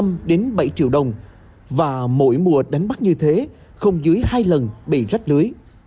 những ngư dân như ông lý phải bỏ ra năm bảy triệu đồng và mỗi mùa đánh bắt như thế không dưới hai lần bị rách lưới